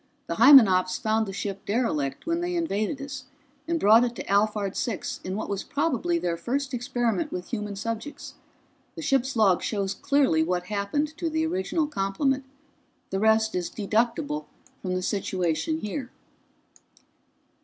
The Hymenops found the ship derelict when they invaded us, and brought it to Alphard Six in what was probably their first experiment with human subjects. The ship's log shows clearly what happened to the original complement. The rest is deducible from the situation here."